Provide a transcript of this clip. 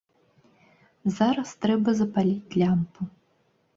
Зараз трэба запаліць лямпу.